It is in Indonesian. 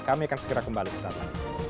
kami akan segera kembali bersama